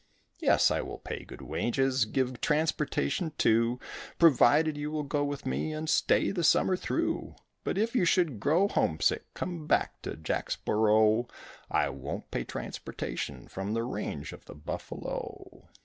"Yes, I will pay good wages, give transportation too, Provided you will go with me and stay the summer through; But if you should grow homesick, come back to Jacksboro, I won't pay transportation from the range of the buffalo."